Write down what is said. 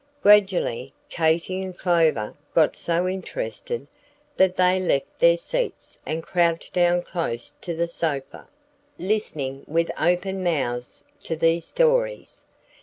Gradually, Katy and Clover got so interested that they left their seats and crouched down close to the sofa, listening with open mouths to these stories.